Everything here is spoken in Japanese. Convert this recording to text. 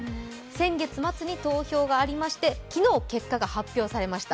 先月末に投票がありまして昨日、結果が発表されました。